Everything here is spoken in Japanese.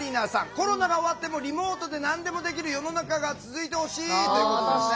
「コロナが終わってもリモートで何でもできる世の中が続いてほしい」ということです。